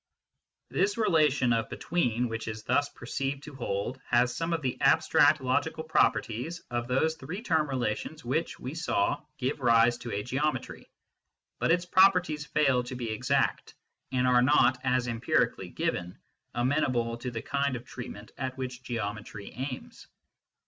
This relation of " between " which is thus perceived to hold has some of the abstract logical properties of those three term relations which, we saw, give rise to a geometry, but its properties fail to be exact, and are not, as empirically given, amenable to the kind of treatment at which geometry aims.